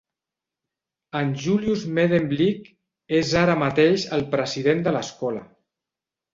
En Julius Medenblik és ara mateix el president de l'escola.